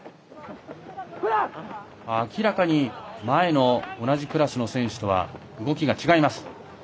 明らかに前の同じクラスの選手とは動きが違います。